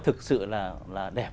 thực sự là đẹp